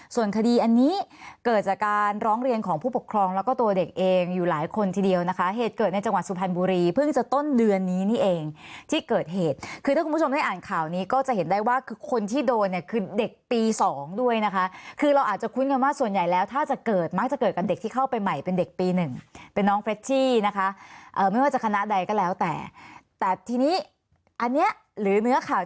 ส่วนคดีอันนี้เกิดจากการร้องเรียนของผู้ปกครองแล้วก็ตัวเด็กเองอยู่หลายคนทีเดียวนะคะเหตุเกิดในจังหวัดสุพรรณบุรีเพิ่งจะต้นเดือนนี้นี่เองที่เกิดเหตุคือถ้าคุณผู้ชมได้อ่านข่าวนี้ก็จะเห็นได้ว่าคนที่โดนคือเด็กปี๒ด้วยนะคะคือเราอาจจะคุ้นกันว่าส่วนใหญ่แล้วถ้าจะเกิดมักจะเกิดกับเด็กที่เข้า